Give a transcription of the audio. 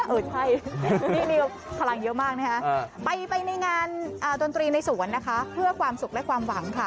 ใครนี่พลังเยอะมากนะคะไปในงานดนตรีในสวนนะคะเพื่อความสุขและความหวังค่ะ